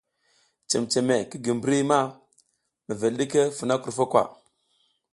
Cememe ki gi mbri ma mevel ɗiki funa krufo kwa.